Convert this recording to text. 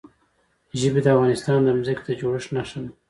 ژبې د افغانستان د ځمکې د جوړښت نښه ده.